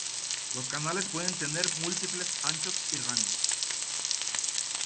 Los canales pueden tener múltiples anchos y rangos.